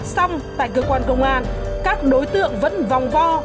xong tại cơ quan công an các đối tượng vẫn vòng vo